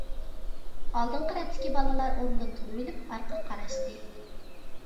ئالدىنقى رەتتىكى بالىلار ئورنىدىن تۇرۇۋېلىپ ئارقىغا قاراشتى.